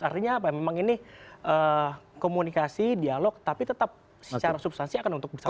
artinya apa memang ini komunikasi dialog tapi tetap secara substansi akan untuk besar